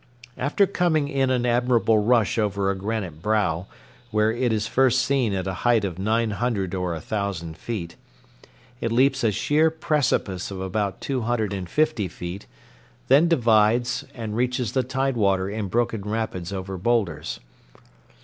After coming in an admirable rush over a granite brow where it is first seen at a height of nine hundred or a thousand feet, it leaps a sheer precipice of about two hundred and fifty feet, then divides and reaches the tide water in broken rapids over boulders.